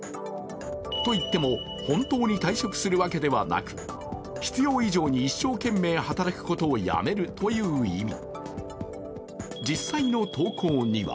といっても、本当に退職するわけではなく、必要以上に一生懸命働くことをやめるという意味。